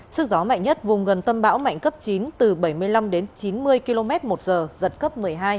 sức gió mạnh nhất vùng gần tâm bão mạnh cấp chín từ bảy mươi năm đến chín mươi km một giờ giật cấp một mươi hai